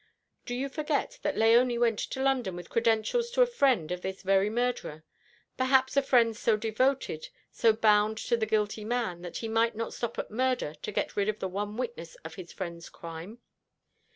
"Do you forget that Léonie went to London with credentials to a friend of this very murderer? Perhaps a friend so devoted, so bound to the guilty man, that he might not stop at murder to get rid of the one witness of his friend's crime."